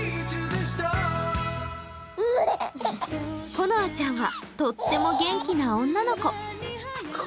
ほのあちゃんはとっても元気な女の子。